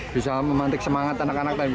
bisa memantik semangat anak anak